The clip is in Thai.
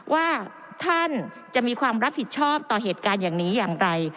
ว่าท่านจะมีความรับผิดชอบต่อเหตุการณ์อย่างนี้อย่างไร